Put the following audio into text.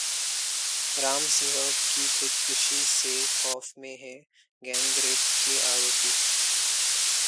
राम सिंह की खुदकुशी से खौफ में हैं गैंगरेप के आरोपी